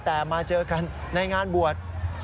แต่มาเจอกันในงานบวช